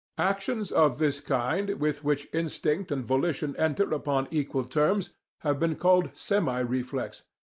Actions of this kind, with which instinct and volition enter upon equal terms, have been called 'semi reflex.'